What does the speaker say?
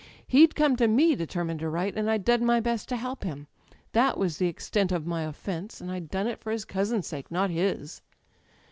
He'd come to me determined to write, and I'd done my best to help him. That was the extent of my offence, and I'd done it for his cousin's sake, not his.